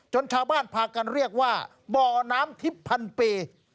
ชาวบ้านพากันเรียกว่าบ่อน้ำทิพย์พันปี